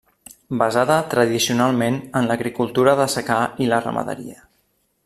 Basada tradicionalment en l'agricultura de secà i la ramaderia.